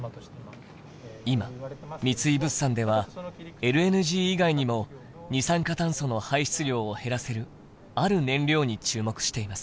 今三井物産ではＬＮＧ以外にも二酸化炭素の排出量を減らせる「ある燃料」に注目しています。